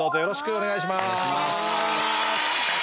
お願いします。